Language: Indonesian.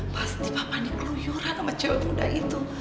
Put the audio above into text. pasti papa nih keluyuran sama cewek muda itu